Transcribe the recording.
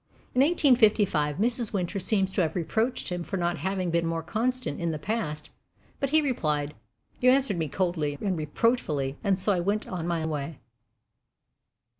In 1855, Mrs. Winter seems to have reproached him for not having been more constant in the past; but he replied: You answered me coldly and reproachfully, and so I went my way.